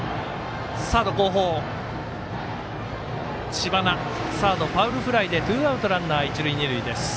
知花、サードファウルフライでツーアウト、ランナー、一塁二塁。